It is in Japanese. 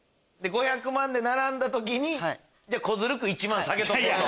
５００万で並んだ時に小ずるく１万下げとこうと。